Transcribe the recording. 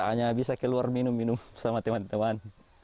hanya bisa keluar minum minum sama teman teman